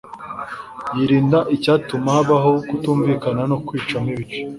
Yirinda icyatuma habaho kutumvikana no kwicamo ibice,